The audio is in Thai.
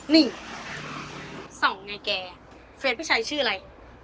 นี่สองไงแกเฟซไม่ใช้ชื่ออะไร